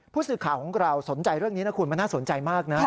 ผู้สื่อข่าวของเราสนใจเรื่องนี้นะคุณมันน่าสนใจมากนะ